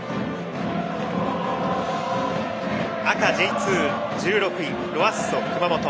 赤Ｊ２、１６位ロアッソ熊本。